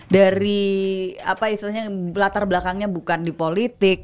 dari apa istilahnya latar belakangnya bukan di politik